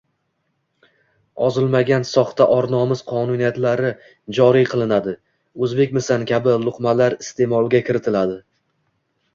ozilmagan soxta or-nomus qonuniyatlari «joriy» qilinadi, «o‘zbekmisan» kabi luqmalar iste’molga kiritiladi.